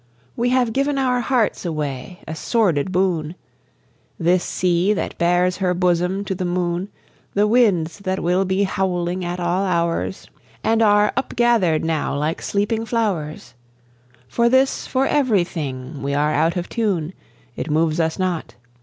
We have given our hearts away, a sordid boon! This sea, that bares her bosom to the moon, The winds that will be howling at all hours, And are up gathered now like sleeping flowers For this, for everything, we are out of tune; It moves us not.